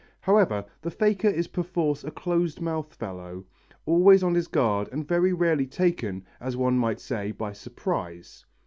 However, the faker is perforce a close mouthed fellow, always on his guard and very rarely taken, as one might say, by surprise.